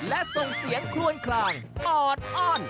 และส่งเสียงคลวนคลางออดอ้อน